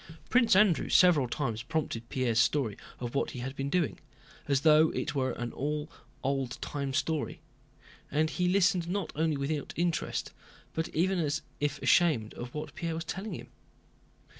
Prince Andrew several times prompted Pierre's story of what he had been doing, as though it were all an old time story, and he listened not only without interest but even as if ashamed of what Pierre was telling him.